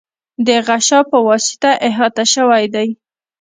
د غشا په واسطه احاطه شوی دی.